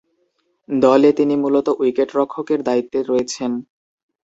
দলে তিনি মূলতঃ উইকেট-রক্ষকের দায়িত্বে রয়েছেন।